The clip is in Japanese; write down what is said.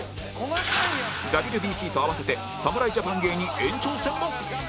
ＷＢＣ と併せて侍ジャパン芸人延長戦も